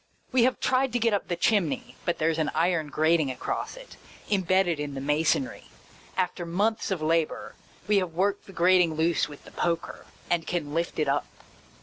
We have tried to get up the chimney, but there 's an iron grating across it, imbedded in the masonry. After months of labour, we have worked the grating loose with the poker, and can lift it up.